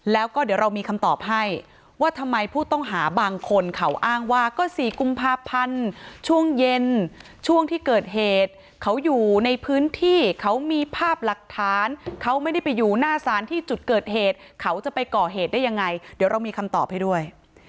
แล้วก็เดี๋ยวเรามีคำตอบให้ว่าทำไมผู้ต้องหาบางคนเขาอ้างว่าก็๔กุมภาพันธ์ช่วงเย็นช่วงที่เกิดเหตุเขาอยู่ในพื้นที่เขามีภาพหลักฐานเขาไม่ได้ไปอยู่หน้าสารที่จุดเกิดเหตุเขาจะไปก่อเหตุได้ยังไงเดี๋ยวเรามีคำตอบให้ด้วย